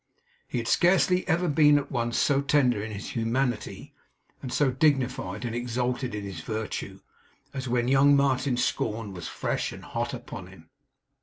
He had scarcely ever been at once so tender in his humanity, and so dignified and exalted in his virtue, as when young Martin's scorn was fresh and hot upon him.